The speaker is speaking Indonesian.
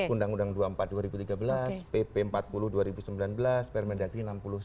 undang undang dua puluh empat dua ribu tiga belas pp empat puluh dua ribu sembilan belas permendagri enam puluh sembilan